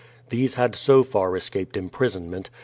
These had so far escaped imprisonment.